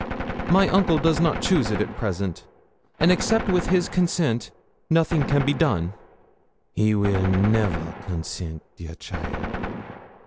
'My uncle does not choose it at present; and except with his consent nothing can be done!' 'He weel never consent, dear cheaile.'